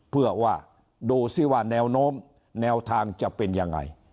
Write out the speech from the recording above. เพื่อว่าดูสิว่าแนวโน้มแนวทางจะเป็นยังไง